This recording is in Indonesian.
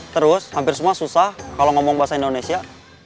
terus hampir semua susah kalau ngomong bahasa indonesia